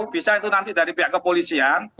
bisa itu nanti dari pihak kepolisian